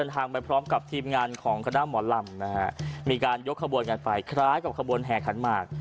ทางไปพร้อมกับทีมงานของคณะหมอลำนะฮะมีการยกขบวนกันไปคล้ายกับขบวนแห่ขันหมาก